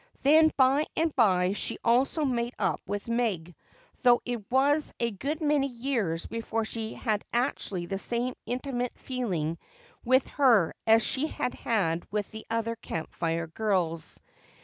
Then by and by she also made up with Meg, though it was a good many years before she had exactly the same intimate feeling with her as she had with the other Camp Fire girls.